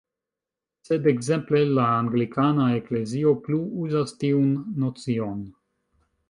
Sed ekzemple la anglikana eklezio plu uzas tiun nocion.